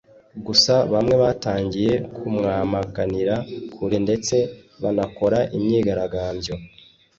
gusa bamwe batangiye kumwamaganira kure ndetse banakora imyigaragambyo